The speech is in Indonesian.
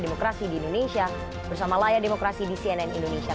demokrasi di indonesia bersama layar demokrasi di cnn indonesia